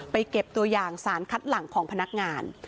เก็บตัวอย่างสารคัดหลังของพนักงาน